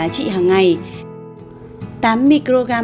acid eragic và flavonoid như anthocyanin